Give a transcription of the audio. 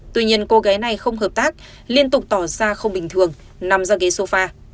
tuy nhiên cô gái này không hợp tác liên tục tỏ ra không bình thường nằm ra ghế sofa